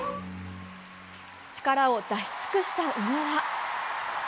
力を出し尽くした宇野は。